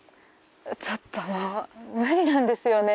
ちょっともう無理なんですよね。